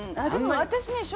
でも私ね